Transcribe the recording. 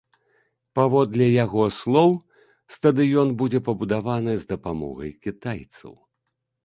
Паводле яго слоў, стадыён будзе пабудаваны з дапамогай кітайцаў.